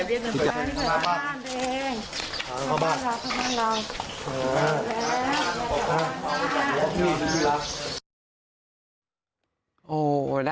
พี่รัก